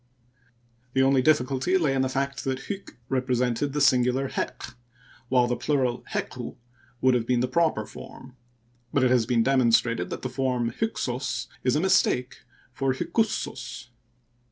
The only difficulty lay in the fact that hyk represented the singular heq^ while the plural hequ would have been the proper form ; but it has been demonstrated that the form Hyksos is a mistake for Hykussos.